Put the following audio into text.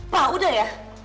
pak udah ya